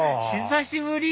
久しぶり！